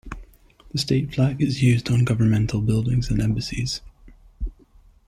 The State flag is used on governmental buildings and embassies.